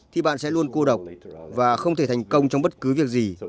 thì bạn sẽ luôn cô độc và không thể thành công trong bất cứ việc gì